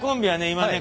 今ね